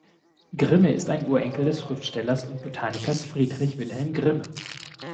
Grimme ist ein Urenkel des Schriftstellers und Botanikers Friedrich Wilhelm Grimme.